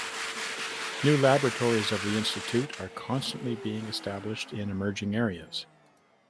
New laboratories of the institute are constantly being established in emerging areas.